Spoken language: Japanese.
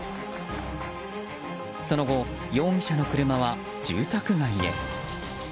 その後、容疑者の車は住宅街へ。